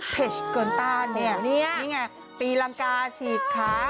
เกินต้านเนี่ยนี่ไงตีรังกาฉีกขา